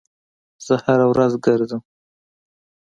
زه هره ورځ ګرځم